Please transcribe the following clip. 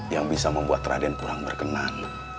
yang bisa membuat raden kurang berkenan